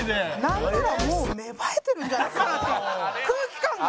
なんならもう芽生えてるんじゃないかなと空気感が。